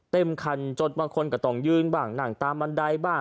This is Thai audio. เต็มคันจนบางคนก็ต้องยืนบ้างนั่งตามบันไดบ้าง